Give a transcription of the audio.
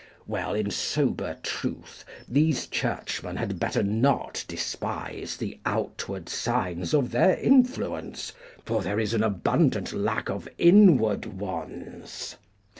Well, in sober truth, these Churchmen had better not despise the outward signs of their influence, for there is an abundant lack of inward ones.